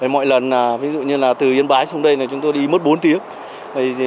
mọi lần ví dụ như là từ yên bái xuống đây chúng tôi đi mất bốn tiếng